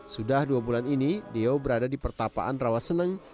sudah dua bulan ini deo berada di pertapaan rawaseneng